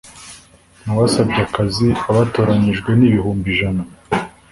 Mu basabye akazi abatoranyijwe ni ibihumbi ijana